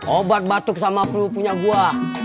obat batuk sama pelupunya gue